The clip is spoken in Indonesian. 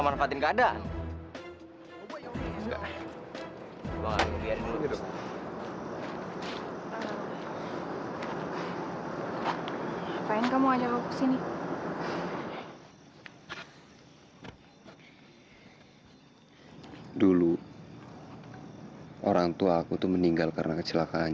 pasti akan terjadi keributan besar besaran